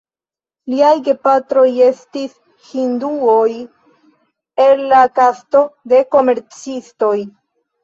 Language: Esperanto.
Liaj gepatroj estis hinduoj el la kasto de komercistoj.